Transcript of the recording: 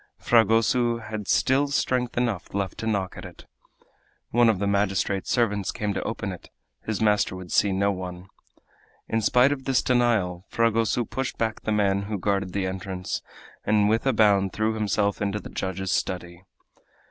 Fragoso had still strength enough left to knock at it. One of the magistrate's servants came to open it; his master would see no one. In spite of this denial, Fragoso pushed back the man who guarded the entrance, and with a bound threw himself into the judge's study.